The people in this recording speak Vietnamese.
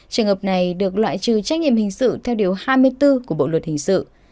trường hợp này được loại trừ trách nhiệm hình sự theo điều hai mươi bốn của bộ luật hình sự